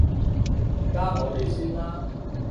加我哋先啦